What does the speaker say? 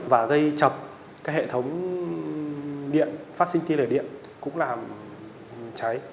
và gây chập các hệ thống điện phát sinh tiên lệ điện cũng làm cháy